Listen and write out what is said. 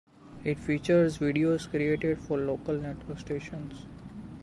It features videos created for local network stations.